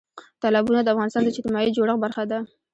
تالابونه د افغانستان د اجتماعي جوړښت برخه ده.